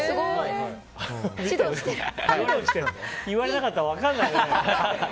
言われなかったら分からないね。